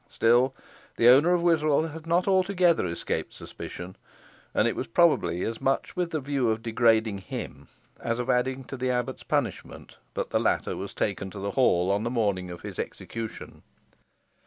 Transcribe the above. Still the owner of Wiswall had not altogether escaped suspicion, and it was probably as much with the view of degrading him as of adding to the abbot's punishment, that the latter was taken to the hall on the morning of his execution.